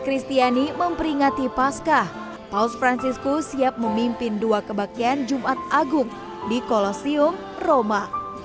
kristiani memperingati pascah paus franciscus siap memimpin dua kebaktian jumat agung di kolosium roma